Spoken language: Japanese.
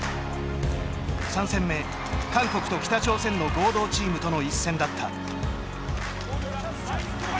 ３戦目、韓国と北朝鮮の合同チームとの一戦だった。